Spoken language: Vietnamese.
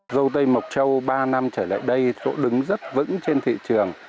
dâu tây mộc châu ba năm trở lại đây chỗ đứng rất vững trên thị trường